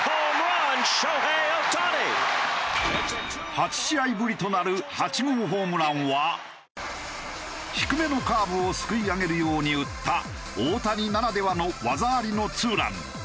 ８試合ぶりとなる８号ホームランは低めのカーブをすくい上げるように打った大谷ならではの技ありのツーラン。